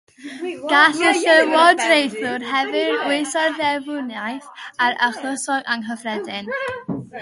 Gall y llywodraethwr hefyd wysio'r ddeddfwriaeth ar “achlysuron anghyffredin”.